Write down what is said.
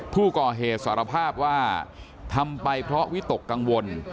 ผู้ก่อเหตุสารภาพว่าทำไปเพราะวิตกกังวล